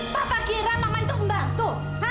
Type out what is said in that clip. papa kira mama itu membantu